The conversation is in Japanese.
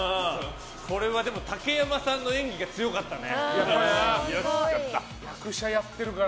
これは竹山さんの演技が強かったね。